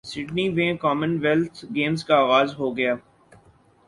Sydney ویں Commonwealth Games کا اغاز ہو گیا